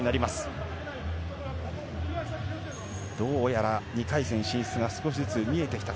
どうやら２回戦進出が少しずつ見えてきたか？